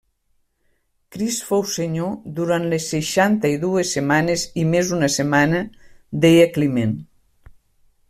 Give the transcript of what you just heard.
Crist fou Senyor durant les seixanta i dues setmanes i més una setmana, deia Climent.